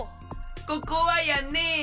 ここはやね